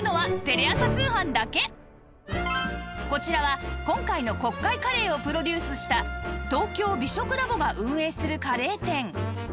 こちらは今回の国会カレーをプロデュースした東京美食 Ｌａｂｏ が運営するカレー店